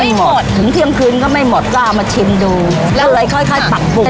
ไม่หมดถึงเที่ยงคืนก็ไม่หมดก็เอามาชิมดูแล้วเลยค่อยค่อยปักปรุง